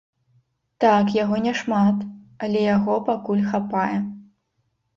Так, яго не шмат, але яго пакуль хапае.